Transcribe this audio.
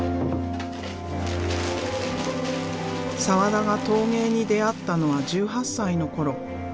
澤田が陶芸に出会ったのは１８歳の頃。